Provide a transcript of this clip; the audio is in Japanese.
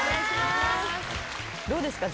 どうですか？